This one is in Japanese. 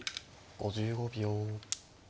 ５５秒。